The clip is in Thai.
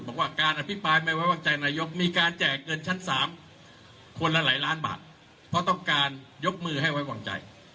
บอกว่าการอภิปรายไม่ไว้วางใจนายกมีการแจกเงินชั้น๓คนละหลายล้านบาทเพราะต้องการยกมือให้ไว้วางใจ